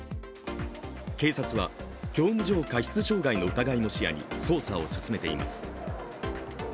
警察は、業務上過失傷害の疑いも視野に捜査を進めています。